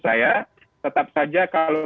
saya tetap saja kalau